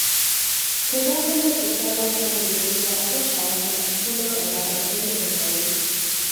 ކޮނޑާ ހަމަޔަށް ކޮށާލައިފައި ހުރި ބޮލުގައި އަވަސް އަވަހަށް އަތްފުނާއަޅާ އެއްވަރު ކޮށްލަމުން